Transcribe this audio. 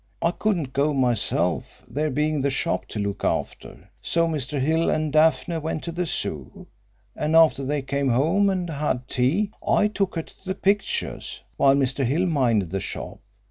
I couldn't go myself, there being the shop to look after. So Mr. Hill and Daphne went to the Zoo, and after they came home and had tea I took her to the pictures while Mr. Hill minded the shop.